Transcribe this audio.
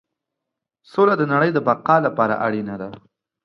سوله د نړۍ د بقا لپاره اړینه ده.